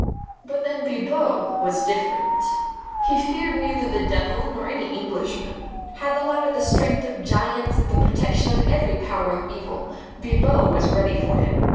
But then Bibot was different! He feared neither the devil, nor any Englishman. Had the latter the strength of giants and the protection of every power of evil, Bibot was ready for him.